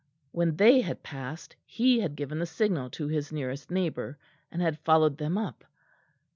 When they had passed, he had given the signal to his nearest neighbour, and had followed them up.